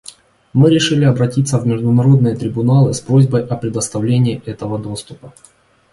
Мы решили обратиться в международные трибуналы с просьбой о предоставлении этого доступа.